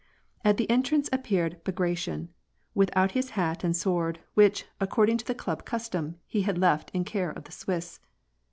At the entrance appeared Bagration, without his hat and sword, which, according to the club custom, he had left in care of the Swiss.